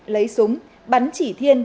lấy súng bắn chỉ thiên